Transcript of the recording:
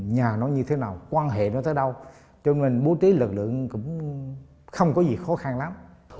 nhà nó như thế nào quan hệ nó tới đâu cho nên bố trí lực lượng cũng không có gì khó khăn lắm